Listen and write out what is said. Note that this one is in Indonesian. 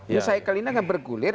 news cycle ini akan bergulir